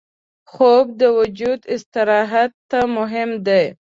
خوب د وجود استراحت ته مهم دی